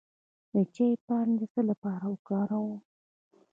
د چای پاڼې د څه لپاره وکاروم؟